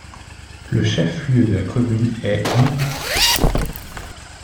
Le chef lieu de la commune est Ñipas.